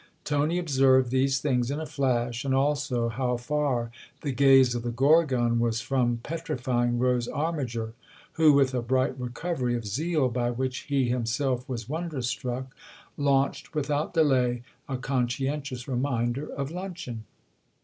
Tony observed these things in a flash, and also how far the gaze of the Gorgon was from petrifying Rose Armiger, who, with a bright recovery of zeal by which he himself was wonderstruck, launched without delay. a conscientious reminder of luncheon.